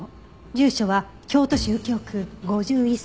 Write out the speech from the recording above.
住所は京都市右京区５１歳。